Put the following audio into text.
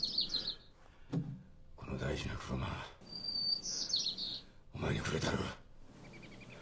この大事な車お前にくれたる。